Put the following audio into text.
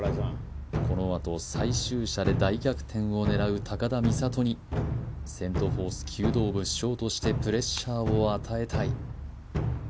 このあと最終射で大逆転を狙う高田実怜にセント・フォース弓道部主将としてプレッシャーを与えたい